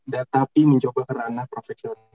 tetapi mencoba kerana profesional